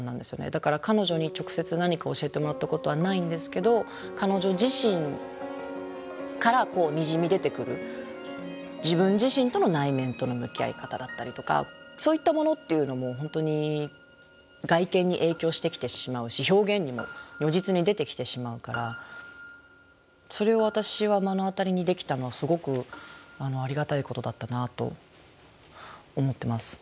だから彼女に直接何か教えてもらったことはないんですけど彼女自身からにじみ出てくる自分自身との内面との向き合い方だったりとかそういったものっていうのも本当に外見に影響してきてしまうし表現にも如実に出てきてしまうからそれを私は目の当たりにできたのはすごくありがたいことだったなと思ってます。